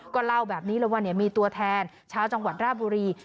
ก็เล่าแบบนี้เลยว่ามีตัวแทนชาวจังหวัดราบุรี